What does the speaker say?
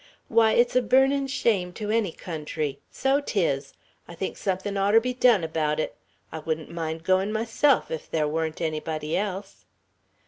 Why, it's a burnin' shame to any country! So 'tis! I think something oughter be done abaout it! I wouldn't mind goin' myself, ef thar wan't anybody else!"